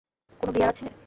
কোনও বিয়ার আছে?